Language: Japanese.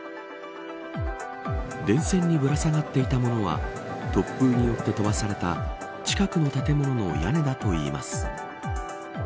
電線にぶら下がっていたものは突風によって飛ばされた近くの建物の屋根だといいます。